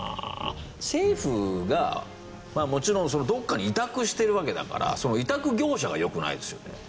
政府がもちろんどこかに委託してるわけだからその委託業者がよくないですよね。